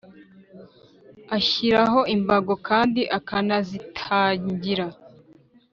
Ashyiraho imbago kandi akanazitangira